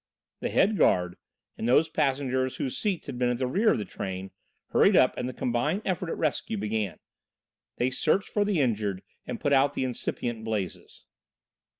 The head guard, and those passengers whose seats had been at the rear of the train, hurried up and the combined effort at rescue began. They searched for the injured and put out the incipient blazes.